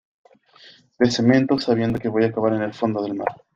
de cemento sabiendo que voy a acabar en el fondo del mar